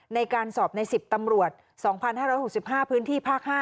ในการสอบใน๑๐ตำรวจ๒๕๖๕พภ๕